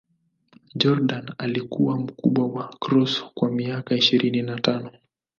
Jordan alikuwa mkubwa wa Cross kwa miaka ishirini na tano.